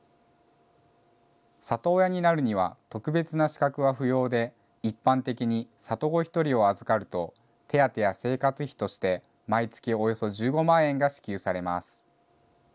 里親になるには特別な資格は不要で、一般的に里子１人を預かると、手当や生活費として毎月およそ１５万円が支給されます。